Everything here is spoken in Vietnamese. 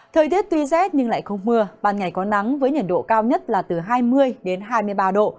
thời tiết tuy rét nhưng lại không mưa ban ngày có nắng với nhiệt độ cao nhất là từ hai mươi đến hai mươi ba độ